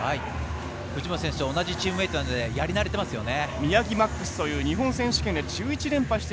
藤本選手と同じチームメートですのでやりなれてますよね。